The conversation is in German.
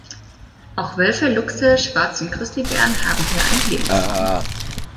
Auch Wölfe, Luchse, Schwarz- und Grizzlybären haben hier einen Lebensraum.